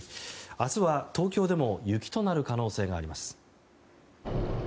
明日は東京でも雪となる可能性があります。